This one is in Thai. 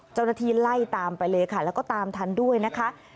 เจ้าหน้าที่ไล่ตามไปเลยค่ะแล้วก็ตามทันด้วยนะคะ